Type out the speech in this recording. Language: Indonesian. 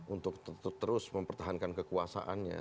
untuk terus mempertahankan kekuasaannya